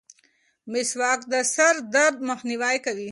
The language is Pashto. مسواک د سر درد مخنیوی کوي.